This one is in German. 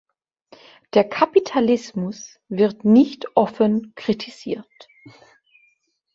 Der Kapitalismus wird nicht offen kritisiert.